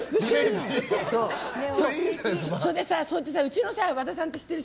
それでさうちの和田さん、知ってる？